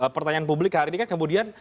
pertanyaan publik hari ini kan kemudian